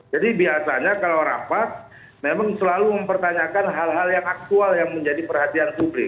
jadi biasanya kalau rapat memang selalu mempertanyakan hal hal yang aktual yang menjadi perhatian publik